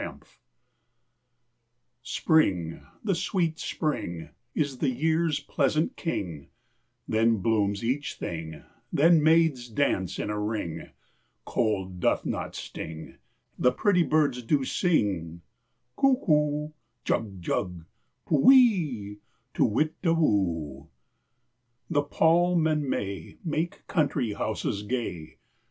SPRING. Spring, the sweet Spring, is the year's pleasant king; Then blooms each thing, then maids dance in a ring, Cold doth not sting, the pretty birds do sing, Cuckoo, jug jug, pu we, to witta woo I The palm and may make country houses gay.